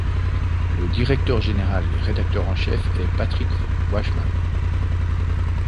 Le directeur général et rédacteur en chef est Patrick Wajsman.